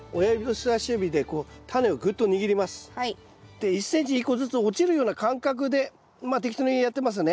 で１ｃｍに１個ずつ落ちるような感覚でまあ適当にやってますね。